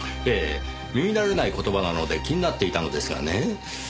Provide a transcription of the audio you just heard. ええ耳慣れない言葉なので気になっていたのですがね。